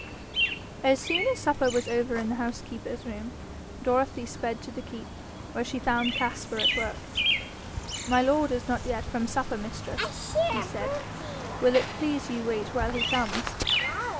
As soon as supper was over in the housekeeper's room, Dorothy sped to the keep, where she found Caspar at work. 'My lord is not yet from supper, mistress,' he said. 'Will it please you wait while he comes?'